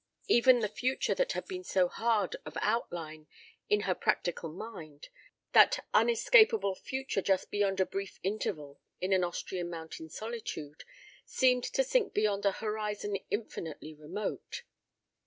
Even the future that had been so hard of outline in her practical mind, that unescapable future just beyond a brief interval in an Austrian mountain solitude, seemed to sink beyond a horizon infinitely remote.